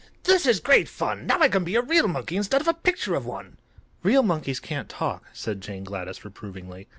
"This is great fun! Now I can be a real monkey instead of a picture of one." "Real monkeys can't talk," said Jane Gladys, reprovingly.